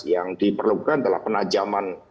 yang diperlukan adalah penajaman